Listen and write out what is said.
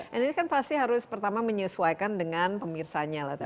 dan ini kan pasti harus pertama menyesuaikan dengan pemirsanya lah